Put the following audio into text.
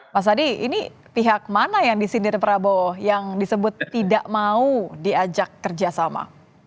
mas adi ini pihak mana yang disindir prabowo yang disebut tidak mau diajak kerjasama